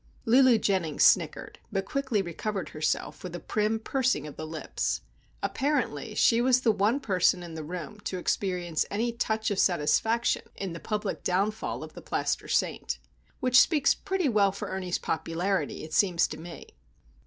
Lulu Jennings snickered; but quickly recovered herself with a prim pursing of the lips. Apparently, she was the one person in the room to experience any touch of satisfaction in the public downfall of "the plaster saint." Which speaks pretty well for Ernie's popularity, it seems to me.